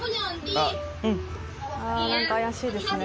何か怪しいですね